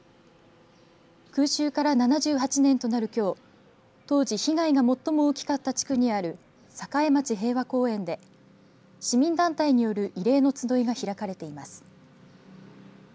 空襲から７８年となるきょう当時被害が最も大きかった地区にある栄町平和公園で市民団体による慰霊の集いが開かれています。